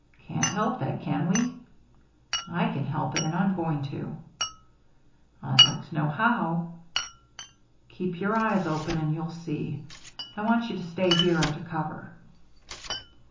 " Can't help that, can we ?" "I can help it, and I'm going to." " I'd like to know how." " Keep your eyes open and you'll see. I want you to stay here under cover."